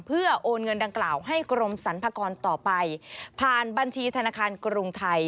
เพื่อโอนเงินดังกล่าวให้กรมสรรพากรต่อไปผ่านบัญชีธนาคารกรุงไทย